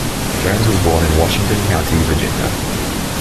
Jones was born in Washington County, Virginia.